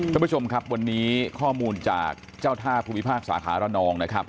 ท่านผู้ชมครับวันนี้ข้อมูลจากเจ้าท่าภูมิภาคสาขาระนองนะครับ